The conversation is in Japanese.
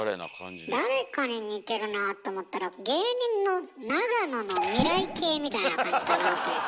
誰かに似てるなと思ったら芸人の永野の未来形みたいな感じだなと。